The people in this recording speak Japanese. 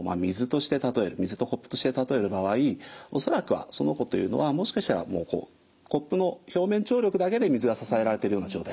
水とコップとして例える場合恐らくはその子というのはもしかしたらコップの表面張力だけで水が支えられているような状態だった。